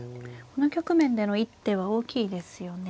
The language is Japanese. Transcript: この局面での一手は大きいですよね。